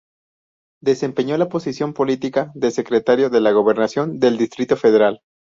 Desempeñó la posición política de secretario de la Gobernación del Distrito Federal.